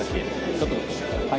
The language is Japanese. ちょっと。